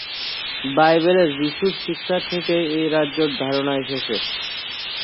বাইবেলে যিশুর শিক্ষা থেকেই এই রাজ্যের ধারণা এসেছে।